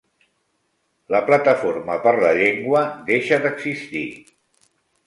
La Plataforma per la Llengua deixa d'existir